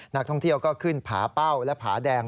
นักท่องเที่ยวก็ขึ้นผาเป้าและผาแดง